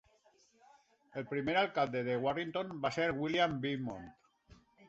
El primer alcalde de Warrington va ser William Beamont.